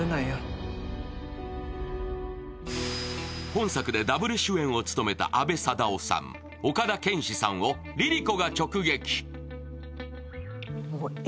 本作でダブル主演を務めた阿部サダヲさん、岡田健史さんをＬｉＬｉＣｏが直撃。